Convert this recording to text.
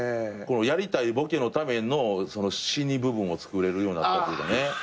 やりたいボケのための死に部分をつくれるようなったっていうかね。